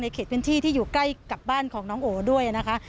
เขตพื้นที่ที่อยู่ใกล้กับบ้านของน้องโอด้วยนะคะ